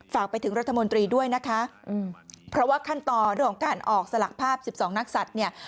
ฝากไปถึงรัฐมนตรีด้วยนะคะเพราะว่าขั้นตอนเรื่องของการออกสลักภาพ๑๒นักศัตริย์เนี่ย